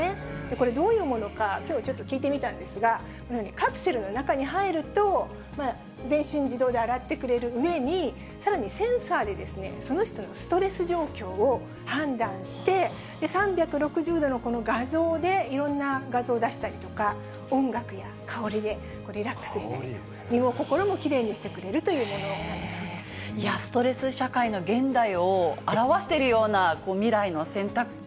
これ、どういうものか、きょうちょっと聞いてみたんですが、このように、カプセルの中に入ると、全身、自動で洗ってくれるうえに、さらにセンサーでその人のストレス状況を判断して、３６０度の画像でいろんな画像を出したりとか、音楽や香りでリラックスすると、身も心もきれいにしてくれるといストレス社会の現代を表しているような未来の洗濯機。